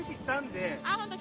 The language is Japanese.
あっほんと？